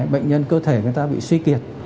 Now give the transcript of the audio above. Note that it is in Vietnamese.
bệnh nhân cơ thể người ta bị suy kiệt